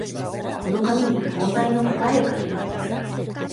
この紙に問題の答えを書きます。